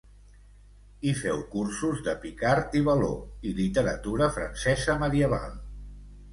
Hi feu cursos de picard i való i literatura francesa medieval.